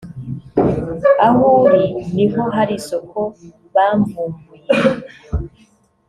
aho uri ni ho hari isoko bamvumbuye